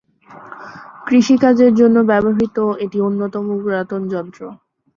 কৃষি কাজের জন্য ব্যবহৃত এটি অন্যতম পুরাতন যন্ত্র।